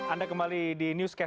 anda kembali di newscast